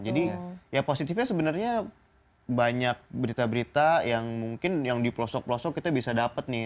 jadi ya positifnya sebenarnya banyak berita berita yang mungkin yang dipelosok pelosok kita bisa dapat nih